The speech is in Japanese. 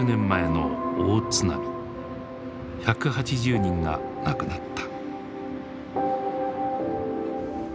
１８０人が亡くなった。